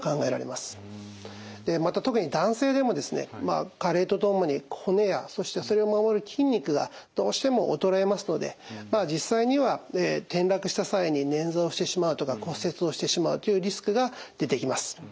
また特に男性でもですね加齢とともに骨やそしてそれを守る筋肉がどうしても衰えますので実際には転落した際に捻挫をしてしまうとか骨折をしてしまうというリスクが出てきます。